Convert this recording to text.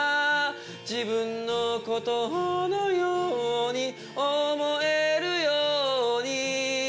「自分の事のように思えるように」